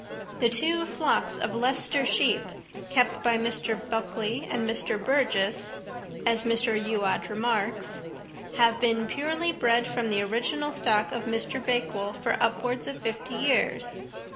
The two flocks of Leicester sheep kept by Mr. Buckley and Mr. Burgess, as Mr. Youatt remarks, "Have been purely bred from the original stock of Mr. Bakewell for upwards of fifty years.